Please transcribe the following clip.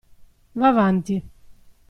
"Va' avanti!